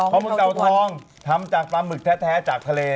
เธอทำจากปลาหมึกแท้จากทะเล